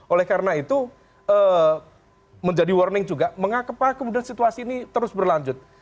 oleh karena itu menjadi warning juga mengapa kemudian situasi ini terus berlanjut